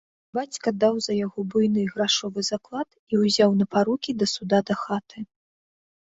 Бацька даў за яго буйны грашовы заклад і ўзяў на парукі да суда дахаты.